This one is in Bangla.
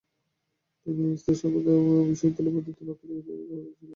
তিনি স্ত্রাসবুর বিশ্ববিদ্যালয়ের ভূতত্ত্ব এবং প্রাকৃতিক ইতিহাসের অধ্যাপক ছিলেন।